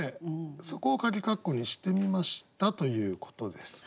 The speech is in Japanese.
そこをかぎ括弧にしてみましたということです。